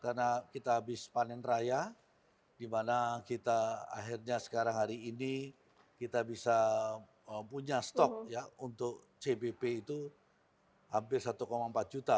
karena kita habis panen raya dimana kita akhirnya sekarang hari ini kita bisa punya stok ya untuk cbp itu hampir satu empat juta